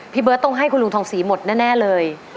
เบิร์ตต้องให้คุณลุงทองศรีหมดแน่เลย